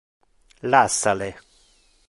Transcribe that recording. Lassa le.